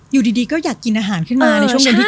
อยู่ดีก็อยากกินอาหารขึ้นมาในช่วงหนึ่งที่